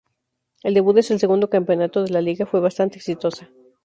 El debut en el segundo campeonato de la liga fue bastante exitosa.